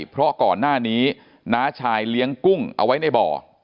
เพราะก่อนหน้านี้น้าชายเลี้ยงกุ้งเอาไว้ในบ่อ